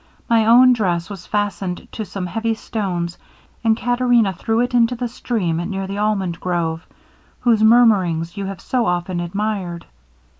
My own dress was fastened to some heavy stones, and Caterina threw it into the stream, near the almond grove, whose murmurings you have so often admired.